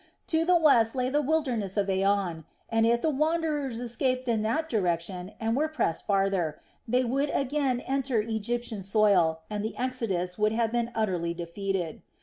To the west lay the wilderness of Aean, and if the wanderers escaped in that direction, and were pressed farther, they would again enter Egyptian soil and the exodus would be utterly defeated.